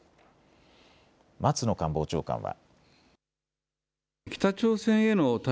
松野官房長官は。